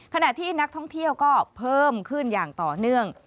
ขณะที่นักท่องเที่ยวก็เพิ่มขึ้นอย่างต่อเนื่อง